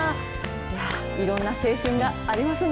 いろんな青春がありますね。